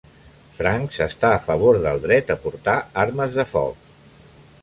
Franks està a favor del dret a portar armes de foc.